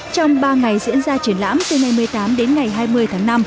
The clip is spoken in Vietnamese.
trong ba ngày diễn ra triển lãm từ ngày một mươi tám đến ngày hai mươi tháng năm